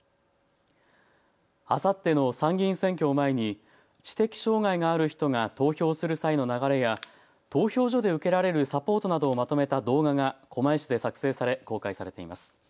あさっての参議院選挙を前に知的障害がある人が投票する際の流れや投票所で受けられるサポートなどをまとめた動画が狛江市で作成され公開されています。